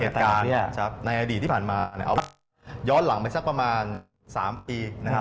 เหตุการณ์ในอดีตที่ผ่านมาย้อนหลังไปสักประมาณ๓ปี